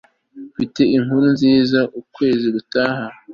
Mfite inkuru nziza Ukwezi gutaha